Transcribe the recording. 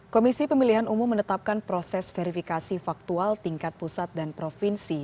komisi pemilihan umum menetapkan proses verifikasi faktual tingkat pusat dan provinsi